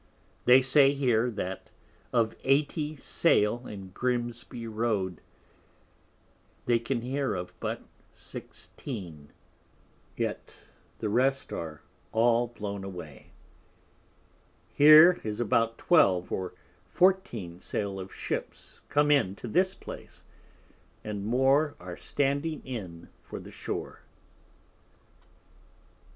They say here, that of Eighty Sail in Grimsby Road, they can hear of but Sixteen; yet the rest are all blown away, Here is about Twelve or Fourteen Sail of Ships come in to this Place, and more are standing in for the Shore.